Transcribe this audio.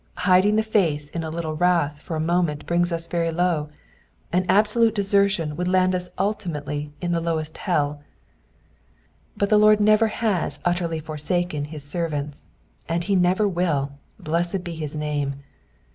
Hiding the face in a little wrath for a moment brings us very low : an absolute desertion would land us ultimately in the lowest hell. But the Lord never has utterly forsaken his servants, and he never will, blessed be his name.